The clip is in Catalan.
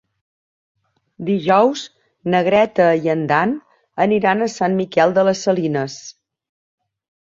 Dijous na Greta i en Dan aniran a Sant Miquel de les Salines.